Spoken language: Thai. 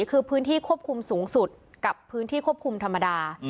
คือพื้นที่ควบคุมสูงสุดกับพื้นที่ควบคุมธรรมดา